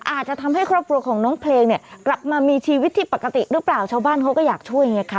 อาจจะทำให้ครอบครัวของน้องเพลงเนี่ยกลับมามีชีวิตที่ปกติหรือเปล่าชาวบ้านเขาก็อยากช่วยไงค่ะ